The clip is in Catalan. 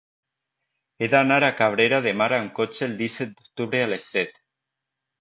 He d'anar a Cabrera de Mar amb cotxe el disset d'octubre a les set.